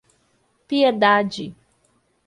Piedade